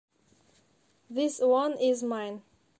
This one is mine.